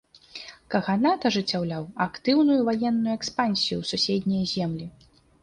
Каганат ажыццяўляў актыўную ваенную экспансію ў суседнія землі.